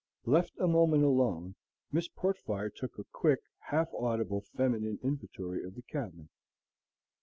Left a moment alone, Miss Portfire took a quick, half audible, feminine inventory of the cabin.